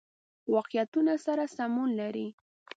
واقعیتونو سره سمون لري.